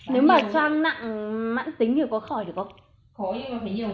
nếu mà xoang nặng nặng tính thì có khỏi được không